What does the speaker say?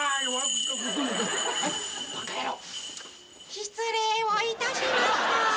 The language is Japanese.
失礼をいたしました。